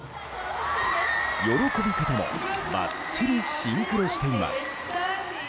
喜び方もばっちりシンクロしています。